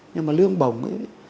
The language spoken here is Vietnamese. nhưng mà lương bồng